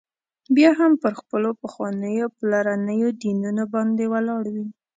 بیا هم پر خپلو پخوانیو پلرنيو دینونو باندي ولاړ وي.